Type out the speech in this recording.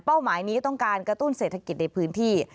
หมายนี้ต้องการกระตุ้นเศรษฐกิจในพื้นที่